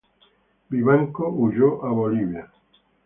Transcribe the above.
Vivanco huyó a Bolivia.